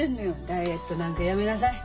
ダイエットなんかやめなさい。